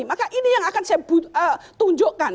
maka ini yang akan saya tunjukkan